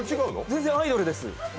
全然、アイドルです。